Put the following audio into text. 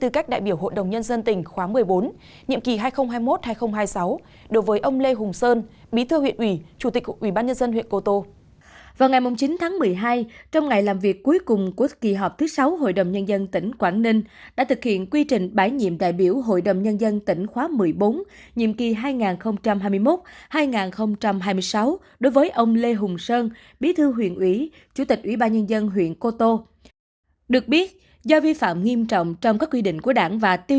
các bạn hãy đăng ký kênh để ủng hộ kênh của chúng mình nhé